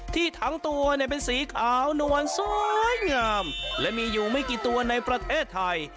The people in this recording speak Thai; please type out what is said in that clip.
ทั้งตัวเนี่ยเป็นสีขาวนวลสวยงามและมีอยู่ไม่กี่ตัวในประเทศไทย